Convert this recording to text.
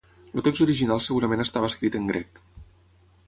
El text original segurament estava escrit en grec.